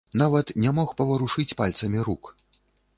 Нават не мог паварушыць пальцамі рук.